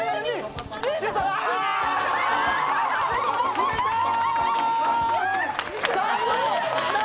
決めたー！